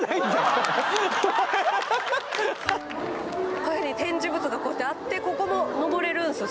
こういうふうに展示物があってここも上れるんですよ